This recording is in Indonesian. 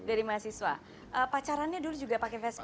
dari mahasiswa pacarannya dulu juga pakai vespa